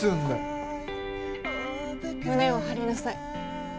胸を張りなさい。